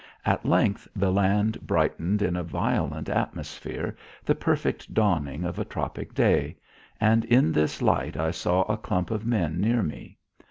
At length the land brightened in a violent atmosphere, the perfect dawning of a tropic day, and in this light I saw a clump of men near me.